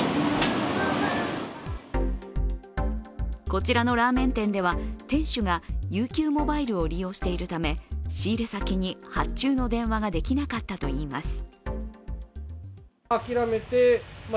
こちらのラーメン店では、店主がＵＱｍｏｂｉｌｅを利用しているため仕入れ先に発注の電話ができなかったといいます。